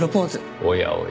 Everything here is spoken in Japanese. おやおや。